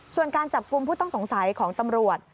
ส่วนการจับกลุ่มผู้ต้องสงสัยของตำรวจ